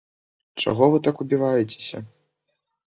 Чаго вы так убіваецеся?